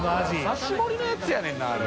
刺し盛りのやつやねんなあれ。